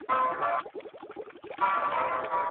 استاد باید د مسودي لومړنۍ بڼه وګوري.